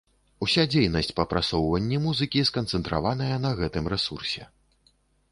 Уся дзейнасць па прасоўванні музыкі сканцэнтраваная на гэтым рэсурсе.